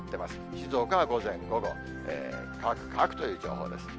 静岡は午前午後、乾く、乾くという情報です。